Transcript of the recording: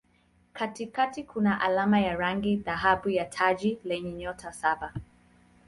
Katikati kuna alama ya rangi dhahabu ya taji lenye nyota saba.